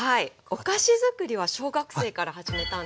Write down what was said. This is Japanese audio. お菓子づくりは小学生から始めたので。